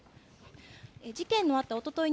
事件のあったおととい